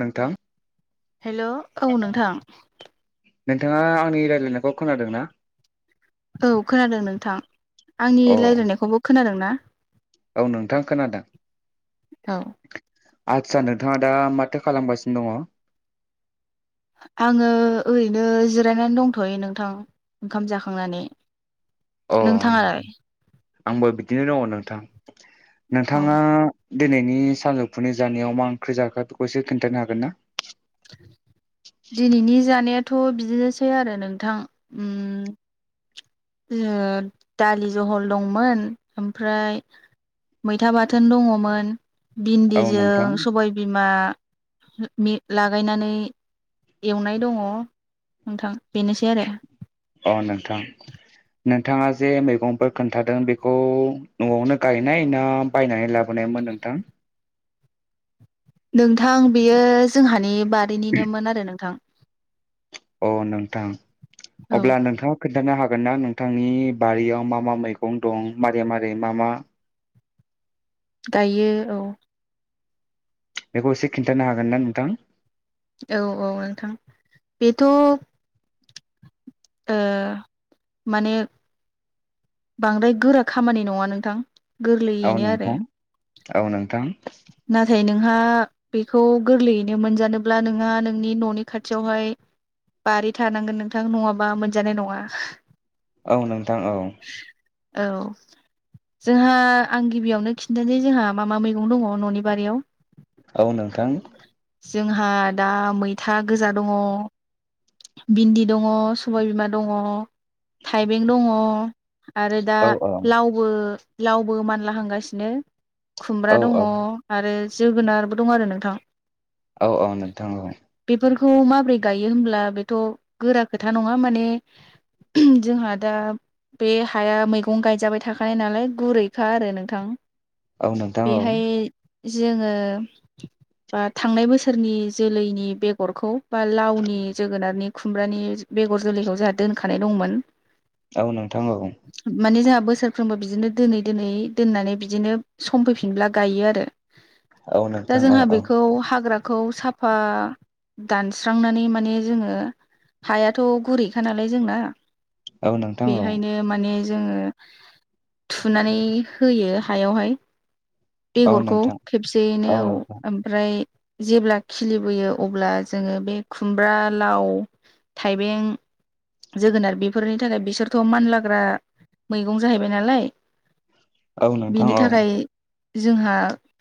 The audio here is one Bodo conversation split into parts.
नोंथां हेल' औ नोंथां नोंथाङा आंनि रायज्लायनायखौ खोनादों ना? औ खोनादों नोंथां, आंनि अ रायज्लायनायखौबो खोनादों ना? औ नोंथां खोनादों औ आदसा नोंथाङा दा माथो खालामगासिनो दङ आङो ओरैनो जिरायनानै दंथ'यै नोंथां ओंखाम जाखांनानै अ नों थाङालाय आंबो बिदिनो दङ नोंथां औ नोंथाङा दिनैनि सानजौफुनि जानायाव मा ओंख्रि जाखो बेखौ एसे खोनथानो हागोन ना? थ' बिदिनोसै आरो नोंथां उ ओ दालि जहल दंमोन ओमफ्राय मैथा बाथोन दङमोन औ भिन्दिजों नोंथां सबायबिमा मे लागायनानै एवनाय दङ नोंथां। बेनोसै आरो अ नोंथां नोंथाङा जे मैगंफोर खोन्थादों बेखौ न'आवनो गायनाय ना बायनानै लाबोनायमोन? नोंथां नोंथां बेयो जोंहानि बारिनिनोमोन आरो नोंथां। अ नोंथां औ अब्ला नोंथाङा खोन्थानो हाग हागोन ना नोंथांनि बारियाव मा मा मैगं दं मारै मारै मा मा? गायो औ बेखौ एसे खिन्थानो हागोन ना नोंथां? औ औ नोंथां बेथ' ओ माने बांद्राय गोरा खामानि नङा नोंथां औ गोरलैयैनो आरो नोंथां औ नोंथां नाथाय नोंहा बेखौ गोरलैयैनो मोनजानोब्ला नोंहा नोंनि न'नि खाथियावहाय बारि थानांगोन नोंथां नङाबा मोनजानाय नङा औ नोंथां औ औ जोंहा आं गिबियावनो खिन्थानाय जोंहा मा मा मैगं दङ न'नि बारियाव औ नोंथां जोंहा दा मैथा गोजा दङ भिन्दि दङ सबायबिमा दङ थाइबें दङ आरो दा औ लावबो लावबो मानला हांगासिनो औ खुमब्रा दङ आरो जोगोनारबो दङ आरो नोंथां औ औ नोंथां औ खौ माब्रै गायो होनब्ला बे थ' गोरा खोथा नङा माने जोंहा दा बे हाया मैगं गायजाबाय थाखानाय नालाय गुरैखा आरो नोंथां औ नोंथां औ बेहाय जोङो बा थांनाय बोसोरनि जोलैनि बेगरखौ बा लावनि जो गोनारनि खुमब्रानि बेगर जोलैखौ जोंहा दोनखानाय दंमोन औ नोंथां औ माने जोंहा बोसोरफ्रोमबो बिदिनो दोनै दोनै दोननानै बिदिनो सम फैफिनब्ला गायो आरो औ दा नोंथां औ जोंहा औ बेखौ हाग्रा खौ साफा दानस्रांनानै माने जोङो हायाथ' गुरैखा नालाय जोंना औ नोंथां औ बेहायनो माने जोङो थुनानै होयो हायावहाय औ बेगरखौ नोंथां खेबसेयैनो औ ओमफ्राय जेब्ला खिलिबोयो अब्ला जोङो बे खुमब्रा लाउ थाइबें जोगोनार बेफोरनि थाखाय बिसोरथ' मानलाग्रा मैगं जाहैबाय नालाय औ नोंथां बिनि औ थाखाय जोंहा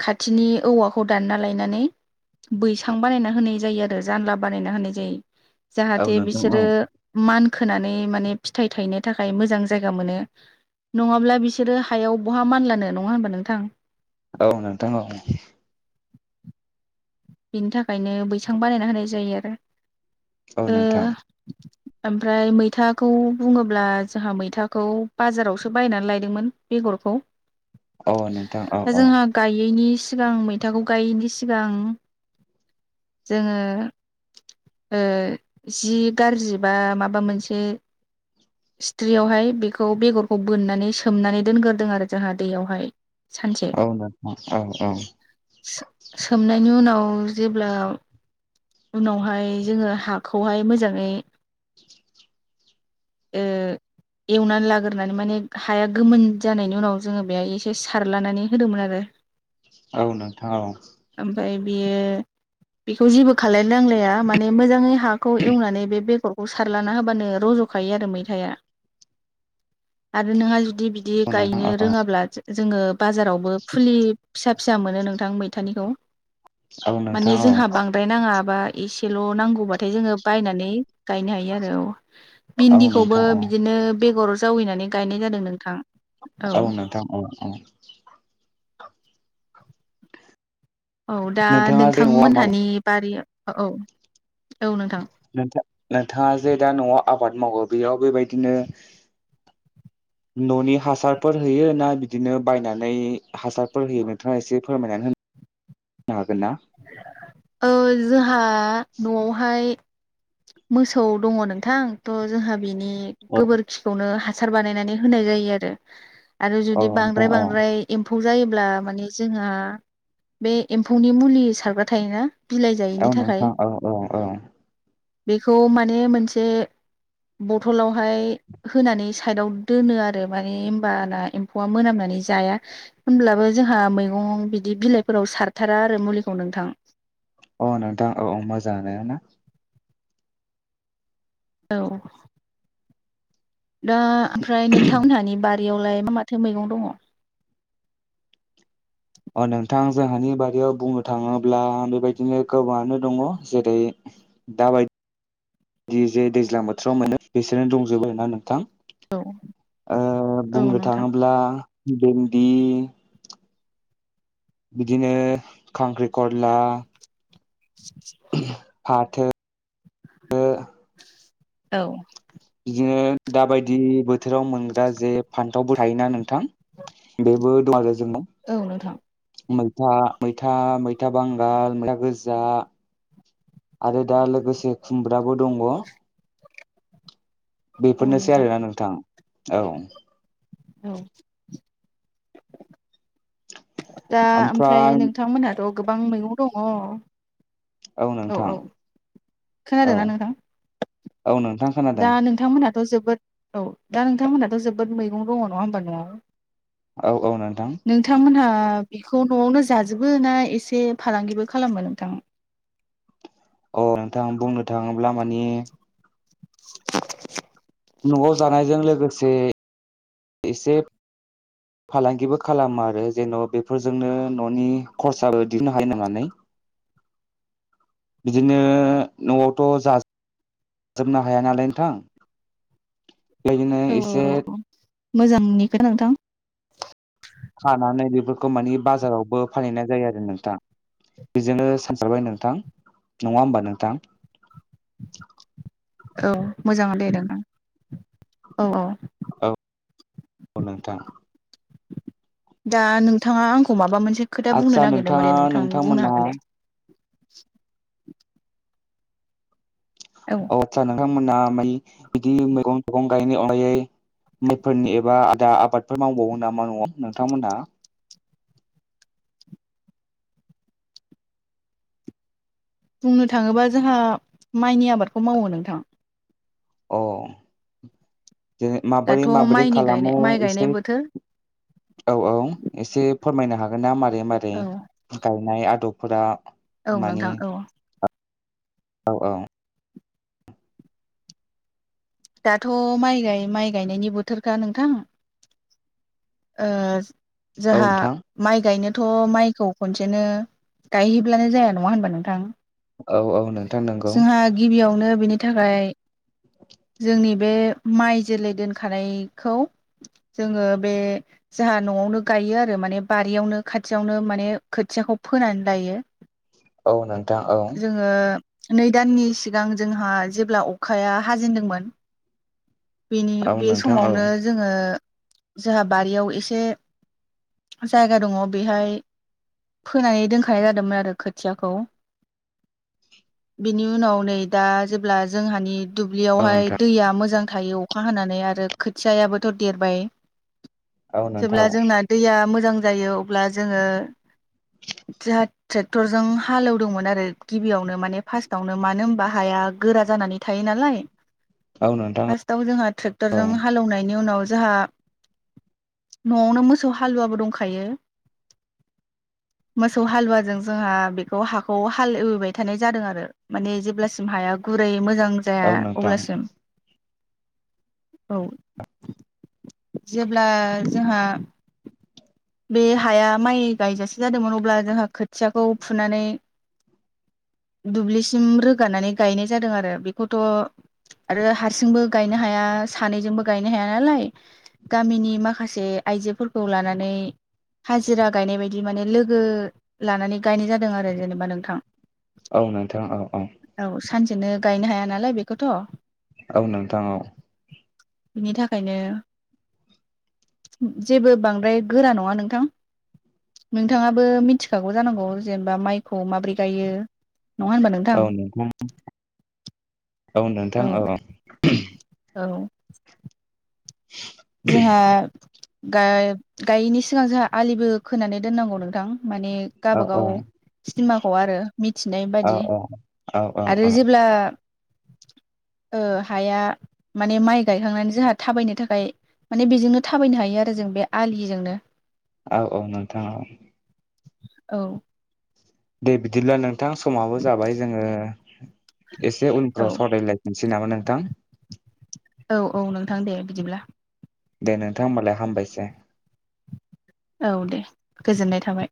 खाथिनि औवाखौ दानना लायनानै बैसां बानायना होनाय जायो आरो जानला बानायना होनाय जायो औ जाहाथे नोंथां बिसोरो औ मान खोनानै माने फिथाइ थायनो थाखाय मोजां जायगा मोनो नङाब्ला बिसोरो हायाव बहा मानलानो नङा होनबा नोंथां? औ नोंथां औ बिनि थाखायनो बैसां बानायना होनाय जायो आरो औ नोंथां ओ ओमफ्राय मैथाखौ बुङोब्ला जोंहा मैथाखौ बाजारावसो बायनानै लायदोंमोन बे गरखौ औ नोंथां औ औ नोंथां औ नोंथां औ नोंथां औ जोंहा गायैनि सिगां मैथाखौ गायैनि सिगां जोङो ओ जि गाज्रि बा माबा मोनसे सिथ्रियावहाय बेखौ बेगरखौ बोननानै सोमनानै दोनग्रोदों आरो जोंहा दैयावहाय सानसे औ [inaudible] सो सोमनायनि उनाव जेब्ला उनावहाय जोङो हाखौहाय मोजाङै [inaudible] ए एवनानै लाग्रोनानै माने हाया गोमोन जानायनि उनाव जोङो बेहाय एसे सारलानानै होदोंमोन आरो औ नोंथां औ बेयो बेखौ जेबो खालाय नांलाया माने मोजाङै हाखौ एवनानै बे बेगर खौ सारलाना होबानो रज'खायो आरो मैथाया आरो नोंहा जु दि बिदि गायनो रोङाब्ला जोङो बाजारावबो फुलि फिसा फिसा मोनो नोंथां मैथानिखौ औ माने नोंथां औ जोंहा बांद्राय नाङा बा एसेल' नांगौबाथाय जोङो बायनानै गायनो हायो आरो औ औ भिन्दिखौबो नोंथां औ बिदिनो बेगर जावैनानै गायनाय जादों नोंथां औ नोंथां औ औ औ दा नोंथाङा जे न'आव माव नोंथांमोनहानि बारि औ औ नोंथां नोंथां नोंथाङा जे दा न'वाव आबाद मावो बेयाव बेबायदिनो [inaudible] न'नि हासारफोर होयो ना बिदिनो बायनानै हासारफोर होयो नोंथाङा एसे फोरमायनानै होनो हागोन ना? ओ जोंहा न'वावहाय मोसौ दङ नोंथां थ' जोंहा बिनि अ गोबोरखिखौनो हा सार बानायनानै होनाय जायो आरो आरो जुदि नोंथां बांद्राय औ बांद्राय एम फौ जायोब्ला माने जोंहा बे एम्फौनि मुलि सारग्रा थायोना बिलाइ जायैनि औ थाखाय नोंथां औ औ औ बेखौ माने मोनसे बथलावहाय होनानै साइदाव दोनो आरो माने होमबाना एम्फौवा मोनामना नै जाया होमब्लाबो जोंहा मैगङाव बिदि बिलाइफोराव सारथारा आरो मुलि औ नोंथां। औ नोंथां औ औ मोजाङानो ना औ । दा ओमफ्राय नोंथांमोनहानि बारियावलाय मा माथो मैगं दङ? अ नोंथां जोंहानि बारयाव बुंनो थाङोब्ला बेबायदिनो गोबाङानो दङ जेरै दाबाय दि जे दैज्लां बोथोराव मोनो बिसोरनो दंजोबो आरो ना नोंथां । औ ओ औ बुंनो नोंथां थाङोब्ला बेन्दि बिदिनो खांख्रि खला [inaudible] औ । बिदिनो दाबायदि बोथोराव मोनग्रा जे फान्थावबो थायोना नोंथां बेबो दं आरो जोंनाव। औ नोंथां मैथा मैथा मैथा बांगाल मैथा गोजा आरो दा लोगोसे खुमब्राबो दङ । बेफोरनोसै आरोना नोंथां औ । औ । दा ओमफ्राय नोंथांमोनहाथ' गोबां मैगं दङ औ औ खोनादों औ ना नोंथां? औ नोंथां खोनादों । थ' जोबोद औ दा नोंथांमोनहाथ' जोबोद मैगं दङ नङा होमबा नआव? औ औ नोंथां नोंथांमोनहा बेखौ न'आवनो जाजोबो ना एसे फालांगिबो खालामो नोंथां? औ नोंथां बुंनो थाङोब्ला माने न'आव जानायजों लोगोसे एसे फालांगिबो खालामो आरो जेन' बेफोरजोंनो न'नि खरसाबो दिहुननो हायो होननानै बिदिनो न'आवथ' जाज जोबनो हाया नालाय नोंथां बेदिनो औ एसे औ औ मोजांनि खोथा नोंथां । खानानै बेफोरखौ मानि बाजारावबो फानहैनाय जायो आरो नोंथां? बेजोंनो सानसारबाय नोंथां नङा होमबा नोंथां? औ मोजाङानो दे नोंथां औ औ । औ औ नोंथां । दा नोंथाङा आंखौ माबा मोनसे एसे खोथा बुंनो आदसा नागिरदोंमोन नोंथाङा दे नोंथां बुंनो नोंथांमोना हागोन दे औ औ। आथसा नोंथांमोना बिदि मैगं थाइगं गायनायनि अनगायै माइफोरनि एबा आलदा आबादफोर मावबावो नामा न'आव नोंथांमोनहा? बुंनो थाङोबा जोंहा माइनि आबादखौ मावो नोंथां । अ जै माबोरै दाथ' माबोरै माइनि गायनाय खालामो माइ गायनाय एसे बोथोर औ औ एसे फोरमायनो हागोन ना मारै मारै औ गायनाय आदबफोरा? औ मानि नोंथां औ । औ औ । दाथ' माइ गाय माइ गायनायनि बोथोरखा नोंथां । औ जोंहा नोंथां माइ गायनो थ' माइखौ खनसेनो गायहैब्लानो जाया नङा होनबा नोंथां औ औ नोंथां । नंगौ जोंहा गिबियावनो बेनि थाखाय जोंनि बे माइ जोलै दोनखानायखौ जोङो बे जोंहा न'आवनो गायो आरो माने बारियावनो खाथियावनो माने खोथियाखौ फोनानै लायो औ नोंथां औ । जोङो नै दाननि सिगां जोंहा जेब्ला अखाया हाजेनदोंमोन बेनि औ बे नोंथां औ समावनो जोङो, जोंहा बारियाव एसे जायगा दङ बेहाय फोनानै दोनखानाय जादोंमोन आरो खोथियाखौ। बेनि उनाव नै दा जेब्ला जोंहानि औ दुब्लियावहाय नोंथां दैया मोजां थायो अखा हानानै आरो खोथियायाबोथ' देरबाय औ नोंथां जेब्ला औ जोंना दैया मोजां जायो अब्ला जोङो जाहा ट्रेक्टरजों हालेवदोंमोन आरो गिबियावनो। माने फारस्टावनो मानो होनबा हाया गोरा जानानै थायो नालाय। औ नोंथां फार्स्टआव जोंहा औ ट्रेक्टरजों हालेवनायनि उनाव जोंहा। न'आवनो मोसौ हालुवाबो दंखायो। [inaudible] मोसौ हालुवाजों जोंहा बेखौ हाखौ हालेवबाय थानाय जादों आरो माने जेब्लासिम हाया [unintelligible] बोरै मोजां जाया औ नोंथां अब्लासिम औ। जेब्ला जोंहा बे हाया माइ गायजासे जादोंमोन अब्ला जोंहा खोथियाखौ फुनानै [unintelligible] दुब्लिसिम रोगानानै गायनाय जादों आरो। बेखौथ' आरो हारसिंबो गायनो हाया। सानैजोंबो गायनो हाया नालाय गामिनि माखासे आइजोफोरखौ लानानै हाजिरा गायनाय बायदि माने लोगो लानानै गायनाय जादों आरो जेनेबा नोंथां। औ नोंथां औ औ। सानसेनो गायनो हाया नालाय बेखौथ'। औ नोंथां औ। बिनि थाखायनो जेबो बांद्राय गोरा नङा नोंथां। नोंथाङाबो मिथिखागौ जानांगौ जेनेबा माइखौ माबोरै गायो। नङा होनबा औ नोंथां। औ नोंथां औ। औ जोंहा गा- गायैनि सिगां जोंहा आलिबो खोनानै दोननांगौ नोंथां। माने औ औ गाबागाव सिमाखौ आरो मिथिनाय औ बादि। औ आरो जेब्ला ओ हाया माने माइ गायखांनानै जोंहा थाबायनो थाखाय माने बेजोंनो थाबायनो हायो आरो ।जों बे आलिजोंनो औ औ नोंथां औ। औ। दे बिदिब्ला नोंथां समाबो जाबाय जोङो एसे औ उनफ्राव सावरायलायफिननोसै नामा नोंथां। औ औ नोंथां दे बिदिब्ला। दे नोंथां होमबालाय हामबायसै। औ दे गोजोननाय थाबाय।